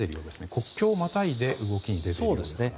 国境をまたいで動きに出ているようです。